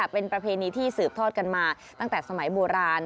เป็นประเพณีที่สืบทอดกันมาตั้งแต่สมัยโบราณ